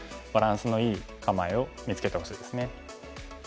バランスのいい構えを見つけてほしいですね。